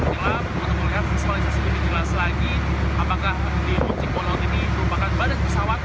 rizky rinaldi kapal baruna jaya